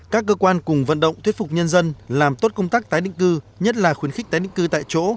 các cơ quan cùng vận động thuyết phục nhân dân làm tốt công tác tái định cư nhất là khuyến khích tái định cư tại chỗ